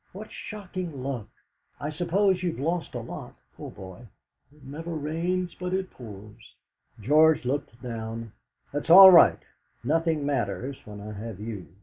What shocking luck! I suppose you've lost a lot. Poor boy! It never rains but it pours." George looked down. "That's all right; nothing matters when I have you."